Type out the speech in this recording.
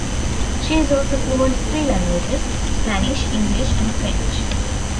She is also fluent three languages: Spanish, English and French.